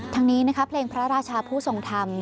ทั้งนี้นะคะเพลงพระราชาผู้ทรงธรรม